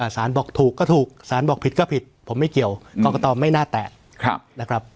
สารบอกถูกก็ถูกสารบอกผิดก็ผิดผมไม่เกี่ยวกรกตไม่น่าแตะนะครับ